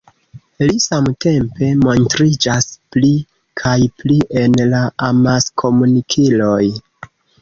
Li samtempe montriĝas pli kaj pli en la amaskomunikiloj.